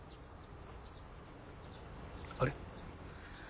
あれ？